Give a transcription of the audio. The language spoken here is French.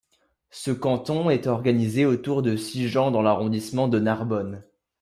Ce canton est organisé autour de Sigean dans l'arrondissement de Narbonne.